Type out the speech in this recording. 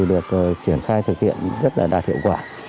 được triển khai thực hiện rất là đạt hiệu quả